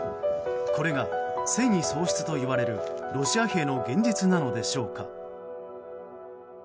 これが戦意喪失といわれるロシア兵の現実なのでしょうか。